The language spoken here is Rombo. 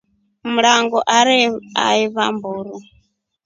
Mrango arewa aeva mburu.